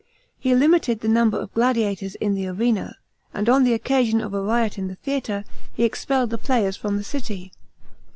He limited the number of gladiators in the arena , and on the occasion of a riot in the theatre, he expelled the players from the city.